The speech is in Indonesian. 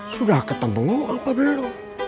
sudah ketemu apa belum